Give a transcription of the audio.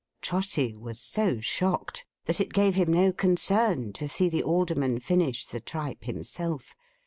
Trotty was so shocked, that it gave him no concern to see the Alderman finish the tripe himself.